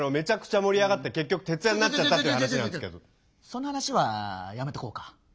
その話はやめとこうか。